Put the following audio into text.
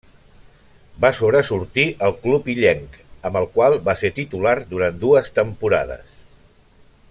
Va sobresortir al club illenc, amb el qual va ser titular durant dues temporades.